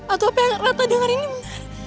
atau apa yang rata dengar ini